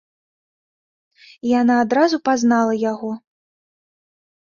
Яна адразу пазнала яго.